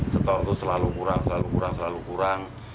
store itu selalu kurang selalu kurang selalu kurang